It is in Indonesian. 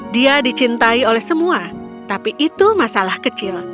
dia dicintai oleh semua tapi itu masalah kecil